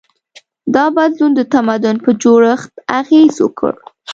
دا بدلون د تمدن په جوړښت اغېز وکړ.